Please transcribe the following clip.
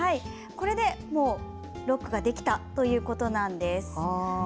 これでロックができたということなんです。